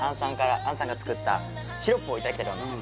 杏さんが作ったシロップをいただきたいと思います